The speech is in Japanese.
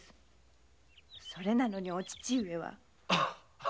それなのにお父上は。